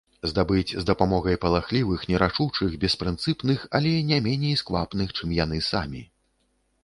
Здабыць з дапамогай палахлівых, нерашучых, беспрынцыпных, але не меней сквапных, чым яны самі.